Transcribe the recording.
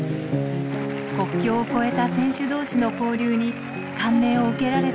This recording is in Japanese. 国境を超えた選手同士の交流に感銘を受けられたといいます。